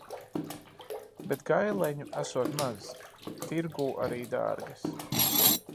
Bet gaileņu esot maz. Tirgū arī dārgas.